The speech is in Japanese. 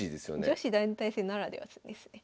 女子団体戦ならではですね。